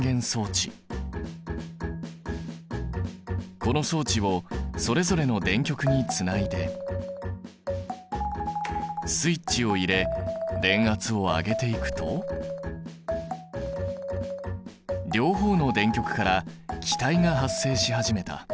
この装置をそれぞれの電極につないでスイッチを入れ電圧を上げていくと両方の電極から気体が発生し始めた。